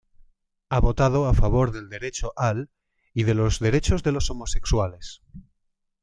Ha votado a favor del derecho al y de los derechos de los homosexuales.